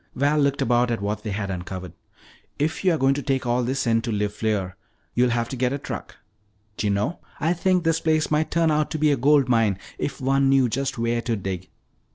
Val looked about at what they had uncovered. "If you are going to take all of this in to LeFleur, you'll have to get a truck. D'you know, I think this place might turn out to be a gold mine if one knew just where to dig."